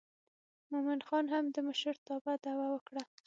مومن خان هم د مشرتابه دعوه وکړه.